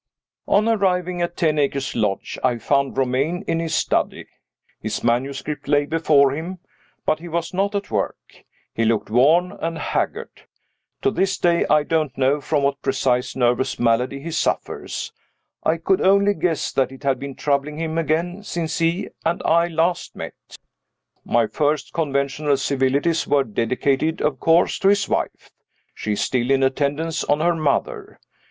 On arriving at Ten Acres Lodge, I found Romayne in his study. His manuscript lay before him but he was not at work. He looked worn and haggard. To this day I don't know from what precise nervous malady he suffers; I could only guess that it had been troubling him again since he and I last met. My first conventional civilities were dedicated, of course, to his wife. She is still in attendance on her mother.